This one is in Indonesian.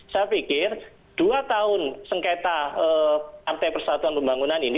saya pikir dua tahun sengketa partai persatuan pembangunan ini